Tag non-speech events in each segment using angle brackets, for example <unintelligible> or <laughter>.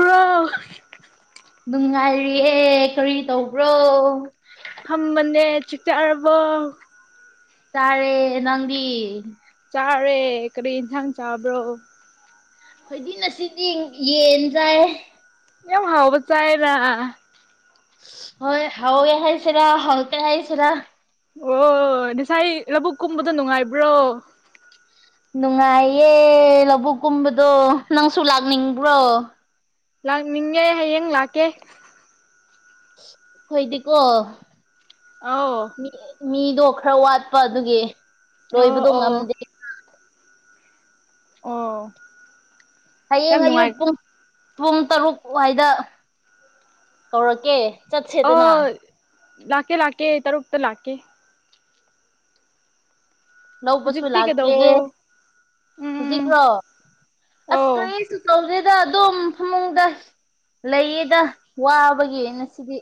bro ꯅꯨꯡꯉꯥꯏꯔꯤꯑꯦ ꯀꯔꯤ ꯇꯧꯕ꯭ꯔꯣ ꯈꯝꯕꯅꯦ <unintelligible> ꯆꯥꯔꯦ ꯅꯪꯗꯤ ꯆꯥꯔꯦ ꯀꯔꯤ ꯏꯟꯁꯥꯡ ꯆꯥꯕ꯭ꯔꯣ ꯑꯩꯈꯣꯏꯗꯤ ꯉꯁꯤꯗꯤ ꯌꯦꯟ ꯆꯥꯏ ꯌꯥꯝ ꯍꯥꯎꯕ ꯆꯥꯏꯌꯦꯅꯥ ꯍꯣꯏ ꯍꯥꯎꯦ ꯍꯥꯏꯁꯤꯔꯥ ꯍꯥꯎꯇꯦ ꯍꯥꯏꯁꯤꯔꯥ ꯑꯣ ꯉꯁꯥꯏ ꯂꯧꯕꯨꯛ ꯀꯨꯝꯕꯗꯨ ꯅꯨꯡꯉꯥꯏꯕ꯭ꯔꯣ ꯅꯨꯡꯉꯥꯏꯌꯦ ꯂꯧꯕꯨꯛ ꯀꯨꯝꯕꯗꯣ ꯅꯪꯁꯨ ꯂꯥꯛꯅꯤꯡꯕ꯭ꯔꯣ ꯂꯥꯛꯅꯤꯡꯉꯦ ꯍꯌꯦꯡ ꯂꯥꯛꯀꯦ ꯍꯣꯏꯗꯤꯀꯣ ꯑꯧ ꯃꯤꯗꯣ ꯈꯔ ꯋꯥꯠꯄ ꯑꯗꯨꯒꯤ ꯑꯣ ꯂꯣꯏꯕꯗꯣ ꯑꯣ ꯉꯝꯗꯦ ꯑꯣ ꯌꯥꯝ ꯍꯌꯦꯡ ꯑꯌꯨꯛ ꯅꯨꯡꯉꯥꯏ ꯄꯨꯡ ꯄꯨꯡ ꯇꯔꯨꯛ ꯑꯗꯨꯋꯥꯏꯗ ꯀꯧꯔꯛꯀꯦ ꯆꯠꯁꯦꯗꯅ ꯑꯣ ꯂꯥꯛꯀꯦ ꯂꯥꯛꯀꯦ ꯇꯔꯨꯛꯇ ꯂꯥꯛꯀꯦ ꯂꯧꯕꯁꯨ ꯍꯧꯖꯤꯛꯇꯤ ꯂꯥꯛꯀꯦ ꯀꯩꯗꯧꯕ꯭ꯔꯣ ꯎꯝ ꯎꯝ ꯍꯧꯖꯤ꯭ꯔꯣ ꯑꯣ ꯑꯁꯇ ꯁꯤꯗ ꯑꯗꯨꯣꯝ ꯐꯃꯨꯡꯗ ꯂꯩꯌꯦꯗ ꯋꯥꯕꯒꯤꯅ ꯁꯤꯗꯤ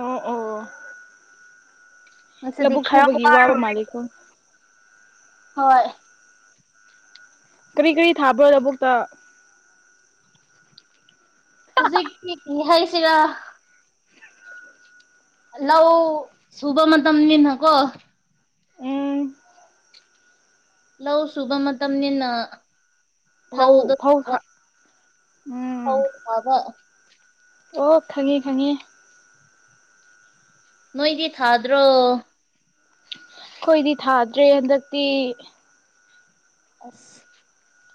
ꯑꯣ ꯑꯣ ꯑꯗꯨꯗꯤ ꯂꯧꯕꯨꯛ ꯈꯔ ꯁꯨꯕꯒꯤ ꯋꯥ ꯋꯥꯕ ꯃꯥꯜꯂꯤꯀꯣ ꯍꯣꯏ ꯀꯔꯤ ꯀꯔꯤ ꯊꯥꯕ꯭ꯔꯣ ꯂꯧꯕꯨꯛꯇ ꯍꯧꯖꯤꯛꯀꯤ ꯍꯥꯏꯩꯁꯤꯔꯥ ꯑꯂ ꯁꯨꯕ ꯃ ꯃꯇꯝꯝꯅꯤꯤꯟ ꯀꯣ ꯎꯝ ꯂ ꯁꯨꯒꯝ ꯇꯝꯅꯤ ꯅ ꯐꯧ ꯂꯗ ꯐꯧ ꯊꯥ ꯎꯝ ꯍꯕ ꯑꯣ ꯈꯪꯉꯤ ꯈꯪꯉꯤ ꯅꯣꯏꯗꯤ ꯊꯗ꯭ꯔꯣ ꯑꯩꯈꯣꯏꯗꯤ ꯊꯥꯗ꯭ꯔꯦ ꯍꯟꯗꯛꯇꯤ ꯑꯣꯐ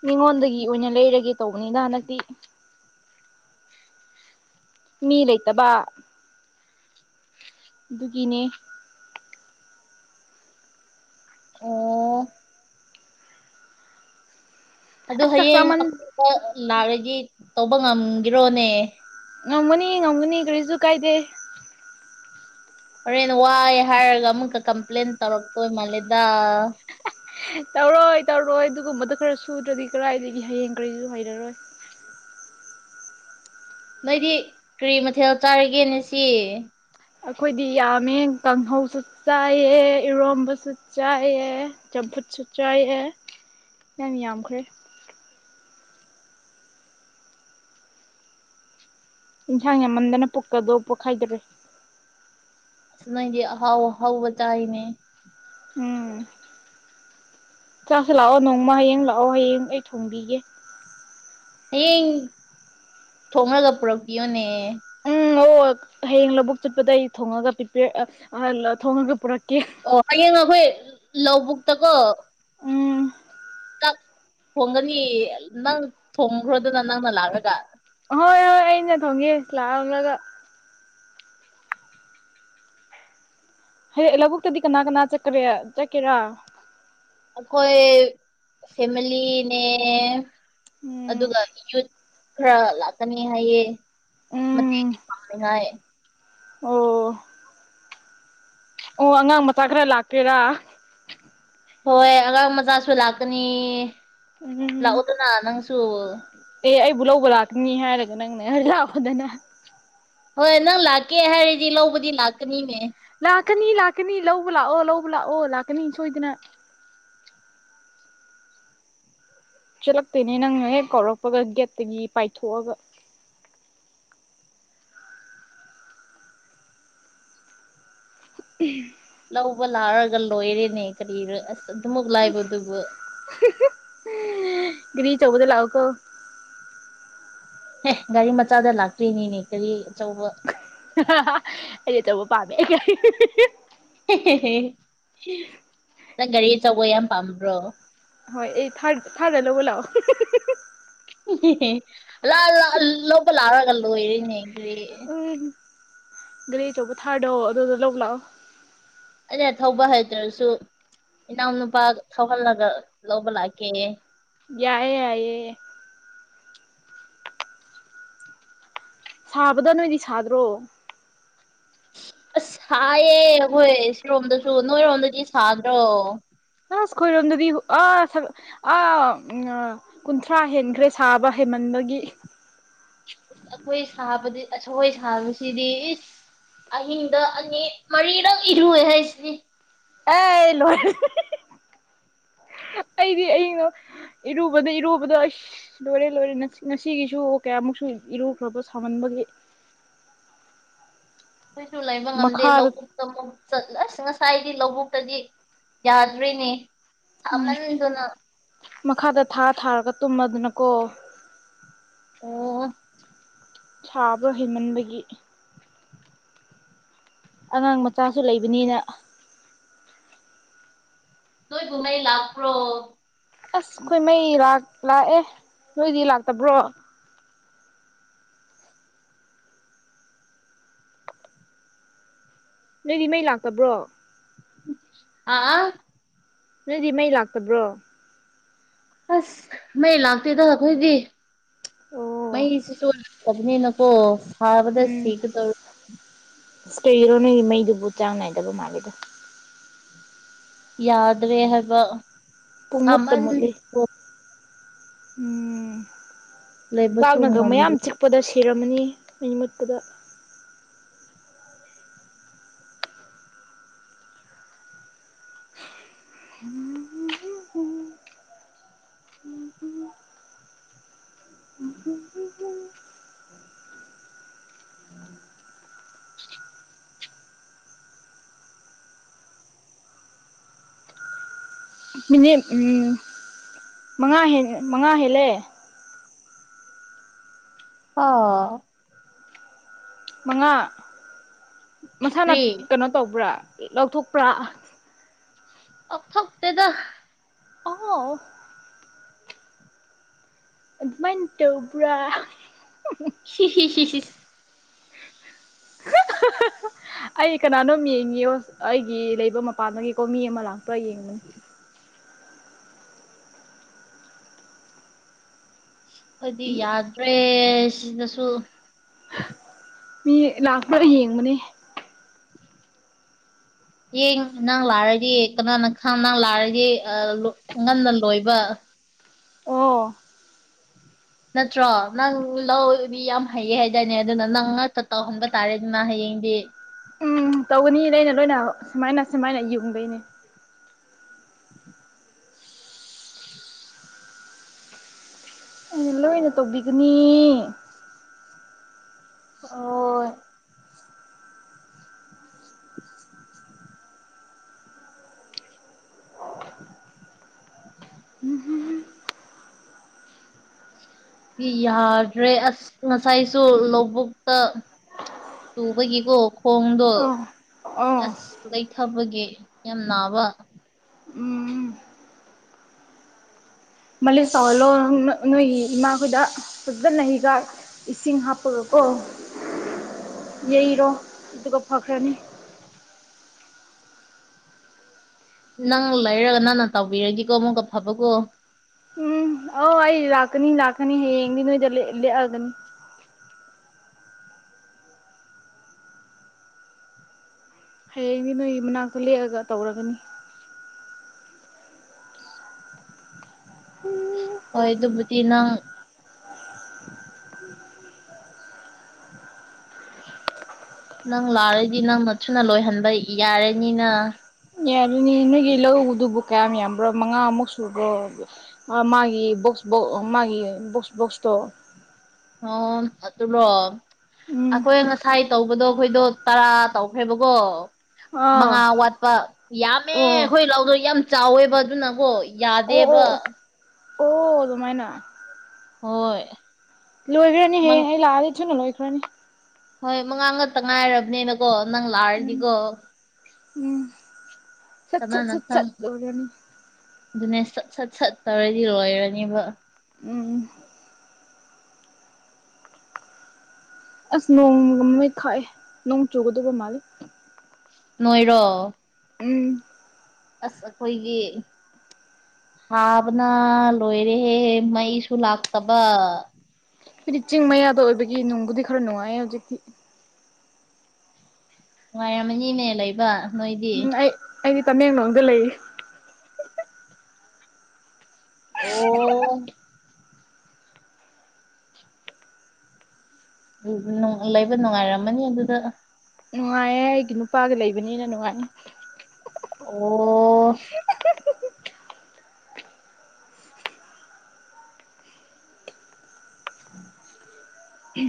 ꯃꯤꯉꯣꯟꯗꯒꯤ ꯑꯣꯏꯅ ꯂꯩꯔꯒꯦ ꯇꯧꯕꯅꯤꯅ ꯍꯟꯗꯛꯇꯤ ꯃꯤ ꯂꯩꯇꯕ ꯑꯗꯨꯒꯤꯅꯦ ꯑꯣ ꯑꯗꯨ ꯑꯁ ꯆꯥꯛ ꯍꯌꯦꯡ ꯆꯥꯃꯟ ꯑꯀꯣꯄ ꯂꯥꯛꯑꯒꯤ ꯇꯧꯕ ꯉꯝꯒꯤꯔꯣꯅꯦ ꯉꯝꯒꯅꯤ ꯉꯝꯒꯅꯤ ꯀꯔꯤꯁꯨ ꯀꯥꯏꯗꯦ ꯍꯣꯔꯦꯟꯅ ꯋꯥꯏꯦ ꯍꯥꯏꯔꯒ ꯑꯃꯨꯛꯀ ꯀꯝꯄ꯭ꯂꯦꯟ ꯇꯧꯔꯛꯇꯣꯏ ꯃꯥꯂꯦꯗ ꯇꯧꯔꯣꯏ ꯇꯧꯔꯣꯏ ꯑꯗꯨꯒꯨꯝꯕꯗ ꯈꯔ ꯁꯨꯗ꯭ꯔꯗꯤ ꯀꯗꯥꯏꯗꯒꯤ ꯍꯌꯦꯡ ꯀꯔꯤꯁꯨ ꯍꯩꯔꯔꯣꯏ ꯅꯣꯏꯗꯤ ꯀꯔꯤ ꯃꯊꯦꯜ ꯆꯥꯔꯒꯦꯅꯦ ꯁꯤ ꯑꯩꯈꯣꯏꯗꯤ ꯌꯥꯝꯃꯦ ꯀꯥꯡꯍꯧꯁꯨ ꯆꯥꯏꯌꯦ ꯏꯔꯣꯝꯕꯁꯨ ꯆꯥꯏꯑ ꯐꯨꯠꯁꯨ ꯆꯥꯏꯑꯦ ꯌꯥꯝꯅ ꯌꯥꯝꯈ꯭ꯔꯦ ꯏꯟꯁꯥꯡ ꯌꯥꯝꯃꯟꯗꯅ ꯄꯨꯛꯀꯗꯧ ꯄꯣꯛꯈꯥꯏꯗ꯭ꯔꯦ ꯑ ꯅꯥꯏꯒꯤ ꯍꯥꯎ ꯍꯥꯎꯕ ꯆꯏꯅꯦ ꯎꯝ ꯆꯥꯛꯁꯨ ꯂꯥꯛꯑꯣ ꯅꯣꯡꯃ ꯍꯌꯦꯡ ꯂꯥꯛꯑꯣ ꯍꯌꯦꯡ ꯑꯩ ꯊꯣꯡꯕꯤꯒꯦ ꯍꯌꯦꯡ ꯊꯣꯡꯡꯂꯒ ꯄꯨꯔꯛꯄꯤꯌꯣꯅꯦ ꯎꯝ ꯑꯣ ꯍꯌꯦꯡ ꯂꯧꯕꯨꯛ ꯆꯠꯄꯗ ꯑꯩ ꯊꯣꯡꯉꯒ ꯄ ꯊꯣꯡꯉꯒ ꯄꯨꯛ ꯑꯣ ꯍꯌꯦꯡ ꯑꯩꯈꯣꯏ ꯂꯧꯕꯨꯛꯇꯀꯣ ꯎꯝ ꯊꯣꯡꯒꯅꯤ ꯅꯪ ꯊꯣꯡꯈ꯭ꯔꯣꯗꯅ ꯅꯪꯅ ꯂꯥꯛꯑꯒ ꯍꯣꯏ ꯍꯣꯏ ꯑꯩꯅ ꯊꯝꯒꯦ ꯂꯥꯛꯑꯝꯂꯒ ꯍ ꯂꯧꯕꯨꯛꯇꯗꯤ ꯀꯅꯥ ꯀꯅꯥ ꯆꯠꯀ ꯆꯠꯀꯦꯔꯥ ꯈꯣꯏ ꯐꯦꯃꯦꯂꯤ ꯎꯝ ꯑꯗꯨꯒ ꯌꯨꯠ ꯈꯔ ꯂꯥꯛꯀꯅꯤ ꯍꯥꯏꯌꯦ ꯎꯝ <unintelligible> ꯑꯣ ꯑꯣ ꯑꯉꯥꯡ ꯃꯆꯥ ꯈꯔ ꯂꯥꯛꯀꯦꯔꯥ ꯍꯣꯏ ꯑꯉꯥꯡ ꯃꯆꯥꯁꯨ ꯂꯥꯛꯀꯅꯤ ꯎꯝ ꯂꯥꯛꯑꯣꯗꯅ ꯅꯪꯁꯨ ꯑꯦ ꯑꯩꯕꯨ ꯂꯧꯕ ꯂꯥꯛꯀꯅꯤ ꯍꯥꯏꯔꯒ ꯅꯪꯅ ꯂꯥꯛꯄꯗꯅ ꯍꯣꯏ ꯅꯪ ꯂꯥꯛꯀꯦ ꯍꯥꯏꯔꯗꯤ ꯂꯧꯕꯗꯤ ꯂꯥꯛꯀꯅꯤꯅꯦ ꯂꯥꯛꯀꯅꯤ ꯂꯥꯛꯀꯅꯤ ꯂꯧꯕ ꯂꯥꯛꯑꯣ ꯂꯧꯕ ꯂꯥꯛꯑꯣ ꯂꯥꯛꯀꯅꯤ ꯁꯣꯏꯗꯅ ꯆꯠꯂꯛꯇꯣꯏꯅꯦ ꯅꯪꯅ ꯍꯦꯛ ꯀꯧꯔꯛꯄꯒ ꯒꯦꯠꯇꯒꯤ ꯄꯥꯏꯊꯣꯛꯑꯒ <unintelligible> ꯂꯧꯕ ꯂꯥꯛꯔꯒ ꯂꯣꯏꯔꯦꯅꯦ ꯀꯔꯤꯔ ꯑꯁ ꯑꯗꯨꯃꯛ ꯂꯥꯏꯕꯗꯨꯕꯨ ꯒꯤꯔꯤ ꯆꯧꯕꯗ ꯂꯥꯎ ꯀꯣ ꯑꯦ ꯒꯥꯔꯤ ꯃꯆꯥꯗ ꯂꯥꯛꯇ꯭ꯔꯤꯅꯤꯅꯦ ꯀꯔꯤ ꯑꯆꯧꯕ ꯑꯩꯗꯤ ꯇꯕꯨ ꯄꯥꯃꯦ ꯅꯪ ꯒꯥꯔꯤ ꯑꯆꯧꯕ ꯌꯥꯝ ꯄꯥꯝꯕ꯭ꯔꯣ ꯍꯣꯏ ꯑꯩ ꯊꯔ ꯊꯔꯗ ꯂꯧꯕꯥ ꯂꯛꯑꯣ ꯂꯥꯔꯒ ꯂꯣꯏꯔꯤꯅ꯭ꯔꯤ ꯒꯥꯔꯤꯆꯧꯕ ꯊꯥꯔꯗꯣ ꯑꯗꯨꯗ ꯂꯧꯕ ꯂꯥꯛꯑꯣ ꯑꯩꯅ ꯊꯧꯕ ꯍꯥꯏꯇ꯭ꯔꯁꯨ ꯏꯅꯥꯎꯅꯨꯄꯥ ꯊꯧꯍꯜꯂꯒ ꯂꯧꯕ ꯂꯥꯛꯀꯦ ꯌꯥꯏꯑꯦ ꯌꯥꯏꯌꯦ ꯁꯥꯕꯗ ꯅꯣꯏꯗꯤ ꯁꯥꯗ꯭ꯔꯣ ꯑꯁ ꯁꯥꯏꯌꯦ ꯑꯩꯈꯣꯏ ꯁꯤꯔꯣꯝꯗꯁꯨ ꯅꯣꯏꯔꯣꯝꯗꯗꯤ ꯁꯥꯗ꯭ꯔꯣ ꯈꯣꯏꯔꯣꯗꯗꯤ ꯑ ꯑ ꯀꯨꯟꯊ꯭ꯔꯥ ꯍꯦꯟꯈ꯭ꯔꯦ ꯁꯥꯕ ꯍꯩꯃꯟꯕ ꯃꯥꯒꯤ ꯏꯁ ꯑꯩꯈꯣꯏ ꯁꯥꯕꯗꯤ ꯑꯁꯈꯣꯏ ꯁꯥꯕꯁꯤꯗꯤ ꯏꯁ ꯑꯍꯤꯡꯗ ꯑꯅꯤ ꯃꯔꯤꯔꯪ ꯏꯔꯨꯑꯦ ꯍꯥꯏꯁꯤꯗꯤ ꯑꯦ ꯂꯣꯏꯔꯦ <unintelligible> ꯑꯩꯗꯤ ꯑꯩꯅꯣ ꯏꯔꯨꯕꯗ ꯏꯔꯨꯕꯗꯣ ꯂꯣꯏꯔꯦ ꯂꯣꯏꯔꯦ ꯉꯁꯤꯒꯤꯁꯨ ꯀꯌꯥ ꯑꯃꯨꯛꯁꯨ ꯏꯔꯨꯈ꯭ꯔꯕ ꯁꯥꯍꯟꯕꯒꯤ <unintelligible> ꯑꯩꯈꯣꯏꯁꯨ ꯂꯩꯕ ꯉꯝꯗꯦ ꯃꯈꯥꯗ ꯂꯧꯕꯨꯛꯇ ꯑꯃꯨꯛ ꯆꯠꯂꯁ ꯉꯁꯥꯏꯗꯤ ꯂꯧꯕꯨꯛꯇꯗꯤ ꯌꯥꯗ꯭ꯔꯤꯅꯦ ꯎꯝ ꯁꯥꯃꯟꯗꯨꯅ ꯃꯈꯥꯗ ꯊꯥ ꯊꯥꯔꯒ ꯇꯨꯝꯃꯗꯅꯀꯣ ꯑꯣ ꯁꯥꯕ ꯍꯩꯃꯟꯕꯒꯤ ꯑꯉꯥꯡ ꯃꯆꯥꯁꯨ ꯂꯩꯕꯅꯤꯅ ꯅꯣꯏꯕꯨ ꯃꯩ ꯂꯥꯛꯄ꯭ꯔꯣ ꯑꯁ ꯑꯩꯈꯣꯏ ꯃꯩ ꯔꯥꯛ ꯂꯥꯛꯑꯦ ꯅꯣꯏꯗꯤ ꯂꯥꯛꯇꯕ꯭ꯔꯣ ꯅꯣꯏꯗꯤ ꯃꯩ ꯂꯥꯛꯇꯕ꯭ꯔꯣ ꯑꯥ ꯑꯥ ꯅꯣꯏꯗꯤ ꯃꯩ ꯂꯥꯛꯇꯕ꯭ꯔꯣ ꯑꯁ ꯃꯩ ꯂꯥꯛꯇꯦꯗ ꯑꯈꯣꯏꯗꯤ ꯑꯣ ꯃꯩꯁꯤꯁꯨ ꯂꯥꯛ ꯇꯧꯕꯅꯤꯅꯀꯣ ꯑꯁ ꯁꯥꯕꯗ ꯎꯝ ꯁꯤꯒꯗꯧꯔꯦ ꯑꯁ ꯀꯩꯒꯤꯔꯣ ꯅꯣꯏꯒꯤ ꯃꯩꯗꯨꯕꯨ ꯆꯥꯡ ꯅꯥꯏꯗꯕ ꯃꯥꯜꯂꯤꯗ ꯌꯥꯗ꯭ꯔꯦ ꯍꯥꯏꯕ ꯄꯨꯡꯃꯨꯠꯇ ꯁꯥꯃꯟꯕꯒꯤ ꯃꯨꯠꯂꯤ ꯎꯝ ꯂꯩꯕꯁꯨ ꯀꯥꯡꯅꯒ ꯃꯌꯥꯝ ꯉꯝꯗ꯭ꯔꯦ ꯆꯤꯛꯄꯗ ꯁꯤꯔꯝꯃꯅꯤ ꯃꯩ ꯃꯨꯠꯄꯗ ꯃꯤꯅꯤꯠ ꯎꯝ ꯃꯉꯥ ꯍꯦꯟ ꯃꯉꯥ ꯍꯦꯜꯂꯦ ꯑꯣ ꯃꯉꯥ ꯃꯁꯥꯅ ꯀ꯭ꯔꯤ ꯀꯩꯅꯣ ꯇꯧꯕ꯭ꯔꯥ ꯂꯧꯊꯣꯛꯄ꯭ꯔꯥ ꯊꯣꯛꯇꯦꯗ ꯑꯣ ꯑꯗꯨꯃꯥꯏꯟ ꯇꯧꯕ꯭ꯔꯥ ꯍꯤ ꯍꯤ ꯍꯤ ꯍꯤꯁ <inaudible> ꯍꯍ ꯑꯩ ꯀꯅꯥꯅꯣꯝ ꯌꯦꯡꯉꯤꯌꯣ ꯑꯩꯒꯤ ꯂꯩꯕ ꯃꯄꯥꯟꯗꯒꯤꯀꯣ ꯃꯤ ꯑꯃ ꯂꯥꯛꯄ꯭ꯔꯥ ꯌꯦꯡꯕꯅꯤ <inaudible> ꯑꯩꯗꯤ ꯌꯥꯗ꯭ꯔꯦ ꯁꯤꯅꯁꯨ ꯃꯤ ꯂꯥꯛꯄ꯭ꯔꯥ ꯌꯦꯡꯕꯅꯦ ꯍꯌꯦꯡ ꯅꯪ ꯂꯥꯛꯔꯗꯤ ꯀꯅꯥꯅ ꯈꯥꯡ ꯅꯪ ꯂꯥꯛꯔꯗꯤ ꯑ ꯂꯣ ꯉꯟꯅ ꯂꯣꯏꯕ ꯑꯣ ꯅꯠꯇ꯭ꯔꯣ ꯅꯪ ꯂꯧꯗꯤ ꯌꯥꯝ ꯍꯩꯌꯦ ꯍꯥꯏꯗꯥꯏꯅꯦ ꯑꯗꯨꯅ ꯅꯪ ꯉꯥꯛꯇ ꯇꯧꯍꯟꯕ ꯇꯥꯔꯦ ꯑꯗꯨꯅ ꯍꯌꯦꯡ ꯍꯌꯦꯡꯗꯤ ꯎꯝ ꯇꯧꯒꯅꯤ ꯂꯩꯅ ꯂꯣꯏꯅ ꯁꯨꯃꯥꯏꯅ ꯁꯨꯃꯥꯏꯅ ꯌꯨꯡꯗꯣꯏꯅꯦ ꯂꯣꯏꯅ ꯇꯧꯕꯤꯒꯅꯤ ꯍꯣꯏ ꯌꯥꯗ꯭ꯔꯦ ꯑꯁ ꯉꯁꯥꯏꯁꯨ ꯂꯧꯕꯨꯛꯇ ꯇꯨꯕꯒꯤꯀꯣ ꯈꯣꯡꯗꯣ ꯑꯣ ꯑꯣ ꯑꯁ ꯂꯩꯊꯕꯒꯤ ꯌꯥꯝ ꯅꯥꯕ ꯎꯝ ꯃꯥꯂꯤꯁ ꯇꯧꯍꯜꯂꯣ ꯅꯣ ꯅꯣꯏꯒꯤ ꯏꯃꯥꯈꯣꯏꯗ ꯐꯖꯟꯅ ꯍꯤꯗꯥꯛ ꯏꯁꯤꯡ ꯍꯥꯞꯄꯒꯀꯣ ꯀ‌ꯣ <inaudible> ꯌꯩꯔꯣ ꯑꯗꯨꯒ ꯐꯈ꯭ꯔꯅꯤ ꯅꯪ ꯂꯩꯔꯒ ꯅꯪꯅ ꯇꯧꯕꯤꯔꯗꯤꯀꯣ ꯑꯃꯨꯛꯀ ꯐꯕꯀꯣ ꯑꯣ ꯑꯩ ꯂꯥꯛꯀꯅꯤ ꯂꯥꯛꯀꯅꯤ ꯍꯌꯦꯡꯗꯤ ꯅꯣꯏꯗ ꯂꯦꯛꯑ ꯂꯦꯛꯑꯒꯅꯤ ꯍꯌꯦꯡꯗꯤ ꯅꯣꯏꯒꯤ ꯃꯅꯥꯛꯇ ꯂꯦꯛꯑꯒ ꯇꯧꯔꯒꯅꯤ ꯍꯣꯏ ꯑꯗꯨꯕꯨꯗꯤ ꯅꯪ ꯅꯪ ꯂꯥꯛꯔꯗꯤ ꯅꯪꯅ ꯊꯨꯅ ꯂꯣꯏꯍꯟꯕ ꯌꯥꯔꯅꯤꯅ ꯌꯥꯔꯅꯤ ꯅꯣꯏꯒꯤ ꯂꯧꯗꯨꯕꯨ ꯀꯌꯥꯝ ꯌꯥꯝꯕ꯭ꯔꯣ ꯃꯉꯥꯃꯨꯛ ꯁꯨꯕ꯭ꯔꯣ ꯃꯥꯒꯤ ꯕꯣꯛꯁ ꯕꯣꯛ ꯑꯣ ꯃꯥꯒꯤ ꯕꯣꯛꯁ ꯕꯣꯛꯁꯇꯣ ꯑꯣ ꯑꯗꯨꯂꯣ ꯎꯝ ꯑꯈꯣꯏ ꯉꯁꯥꯏ ꯇꯧꯕꯗꯣ ꯑꯈꯣꯏꯗꯣ ꯇꯔꯥ ꯇꯧꯈ꯭ꯔꯦꯕꯀꯣ ꯃꯉꯥ ꯑꯥ ꯋꯥꯠꯄ ꯌꯥꯝꯃꯦ ꯑꯣ ꯑꯩꯈꯣꯏ ꯂꯧꯗꯣ ꯌꯥꯝ ꯆꯥꯎꯋꯦꯕ ꯑꯗꯨꯅꯀꯣ ꯑꯣ ꯌꯥꯗꯦꯕ ꯑꯣ ꯑꯣ ꯑꯣ ꯑꯗꯨꯃꯥꯏꯅ ꯍꯣꯏ ꯂꯣꯏꯒꯔꯅꯤ ꯃꯪ ꯍꯌ‌ꯦꯡ ꯑꯩ ꯂꯥꯛꯑꯗꯤ ꯊꯨꯅ ꯂꯣꯏꯈꯔꯅꯤ ꯍꯣꯏ ꯃꯉꯥ ꯉꯛꯇ ꯉꯥꯏꯔꯕꯅꯤꯅꯀꯣ ꯅꯪ ꯎꯝ ꯂꯥꯛꯑꯔꯗꯤꯀꯣ ꯎꯝ ꯁꯠ ꯁꯠ ꯁꯠ ꯈꯪ ꯁꯠ ꯂ‌ꯣꯏꯔꯅꯤ ꯑꯗꯨꯅꯦ ꯁꯠ ꯁꯠ ꯁꯠ ꯇꯧꯔꯗꯤ ꯂꯣꯏꯔꯅꯦꯕ ꯎꯝ ꯑꯁ ꯅꯣꯡ ꯅꯨꯃꯤꯠ ꯈꯥꯛꯑꯦ ꯅꯣꯡ ꯆꯨꯒꯗꯧꯕ ꯃꯥꯜꯂꯤ ꯅꯣꯏꯔꯣ ꯎꯝ ꯑꯁ ꯑꯩꯈꯣꯏꯒꯤ ꯁꯥꯕꯅ ꯂꯣꯏꯔꯦꯍꯦ ꯃꯩꯁꯨ ꯂꯥꯛꯇꯕ ꯑꯩꯈꯣꯏꯗꯤ ꯆꯤꯡ ꯃꯌꯥꯗ ꯑꯣꯏꯕꯒꯤ ꯅꯨꯡꯕꯨꯗꯤ ꯈꯔ ꯅꯨꯡꯉꯥꯏꯌꯦ ꯍꯧꯖꯤꯛꯇꯤ ꯅꯨꯡꯉꯥꯏꯔꯝꯃꯅꯤꯅꯦ ꯂꯩꯕ ꯅꯣꯏꯗꯤ ꯎꯝ ꯑꯩ ꯑꯩꯗꯤ ꯇꯃꯦꯡꯂꯣꯡꯗ ꯂꯩꯌꯦ ꯑꯣ ꯂꯩꯕ ꯅꯨꯡꯉꯥꯏꯔꯝꯃꯅꯤ ꯑꯗꯨꯗ ꯅꯨꯡꯉꯥꯏꯌꯦ ꯑꯩꯒꯤ ꯅꯨꯄꯥꯒ ꯂꯩꯕꯅꯤꯅ ꯅꯨꯡꯉꯥꯏ ꯑꯣ